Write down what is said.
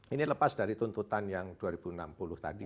ini lepas dari tuntutan yang dua ribu enam puluh tadi